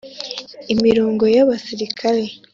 imirongo y’abasirikare